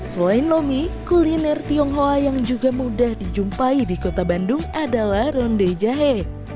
selain lomi kuliner tionghoa yang juga mudah dijumpai di kota bandung adalah ronde jahe